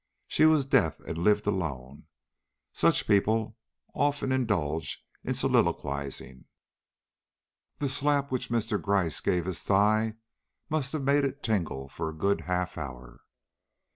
She was deaf and lived alone. Such people often indulge in soliloquizing." The slap which Mr. Gryce gave his thigh must have made it tingle for a good half hour.